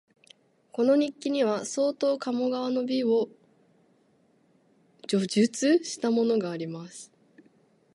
この日記には、相当鴨川の美を叙述したものがあります